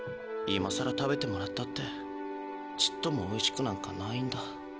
今さら食べてもらったってちっともおいしくなんかないんだ。